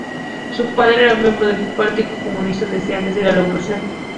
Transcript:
Su padre era miembro del Partido Comunista desde antes de la Revolución.